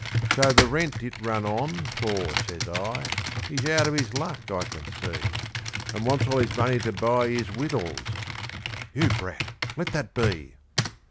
So the rent it run on, for, says I, He's out of his luck, I can see, And wants all his money to buy His wittles (you brat, let that be).